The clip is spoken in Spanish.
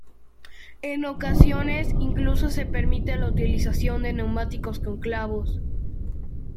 En ocasiones incluso se permite la utilización de neumáticos con clavos.